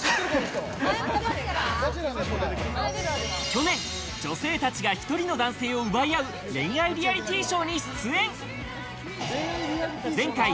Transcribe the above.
去年、女性たちが１人の男性を奪い合う恋愛リアリティーショーに出演。